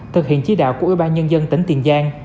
thực hiện chế đạo của ubnd tỉnh tiền giang